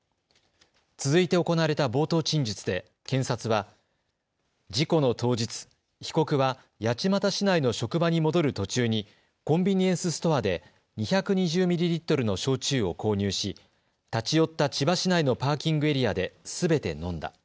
続いて行われた冒頭陳述で検察は事故の当日、被告は八街市内の職場に戻る途中にコンビニエンスストアで２２０ミリリットルの焼酎を購入し立ち寄った千葉市内のパーキングエリアですべて飲んだ。